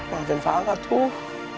mampin banget tuh